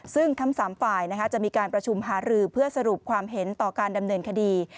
ซึ่งทั้ง๓ฝ่ายจะมีการประชุมหารือเพื่อสรุปความเห็นต่อการดำเนินคดี